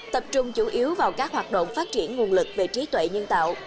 tập trung chủ yếu vào các hoạt động phát triển nguồn lực về trí tuệ nhân tạo